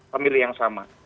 pemilih yang sama